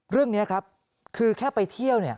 เรื่องนี้ครับคือแค่ไปเที่ยวเนี่ย